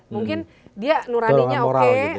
mungkin dia nurani nya oke